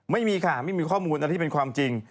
ไม่มีค่ะไม่มีข้อมูลอันที่เป็นความจริง